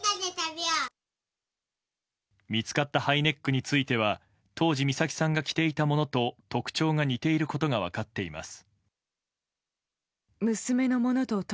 見つかったハイネックについては当時、美咲さんが着ていたものと特徴が似ていることが分かっています。